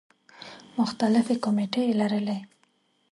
مختلفې کومیټې یې لرلې.